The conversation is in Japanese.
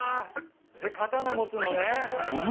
で刀持つのね。